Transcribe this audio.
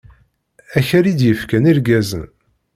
Akal i d-yefkan irgazen.